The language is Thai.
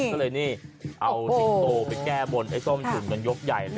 ก็เลยนี่เอาสิงโตไปแก้บนไอ้ส้มฉุนกันยกใหญ่เลย